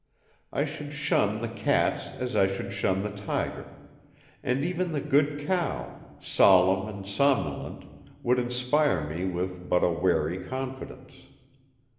I should shun the cat as I should shun the tiger; and even the good cow, solemn and somnolent, would inspire me with but a wary confidence.